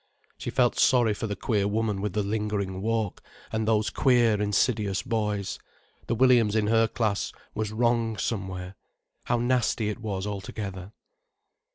She felt sorry for the queer woman with the lingering walk, and those queer, insidious boys. The Williams in her class was wrong somewhere. How nasty it was altogether.